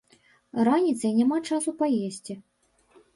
Раніцай няма часу паесці.